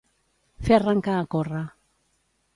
Fer arrencar a córrer.